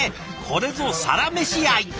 これぞサラメシ愛！